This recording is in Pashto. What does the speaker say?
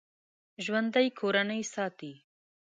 ژوندي کورنۍ ساتي